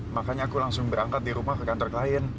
makanya aku langsung berangkat di rumah ke kantor lain